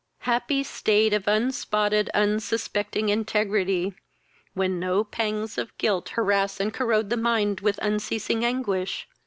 Happy state of unspotted unsuspecting integrity! when no pangs of guilt harass and corrode the mind with unceasing anguish!